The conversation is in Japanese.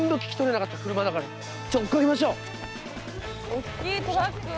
おっきいトラック！